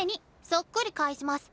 そっくり返します。